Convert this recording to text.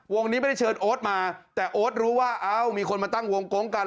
นี้ไม่ได้เชิญโอ๊ตมาแต่โอ๊ตรู้ว่าเอ้ามีคนมาตั้งวงโก๊งกัน